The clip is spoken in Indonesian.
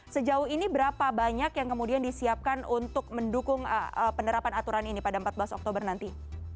sejauh ini berapa banyak yang kemudian disiapkan untuk mendukung penerapan aturan ini pada empat belas oktober nanti